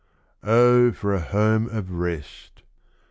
Oh, for a home of rest!